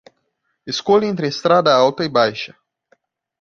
Escolha entre a estrada alta e baixa.